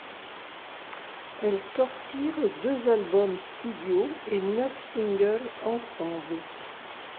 Elles sortirent deux albums studio et neuf singles ensemble.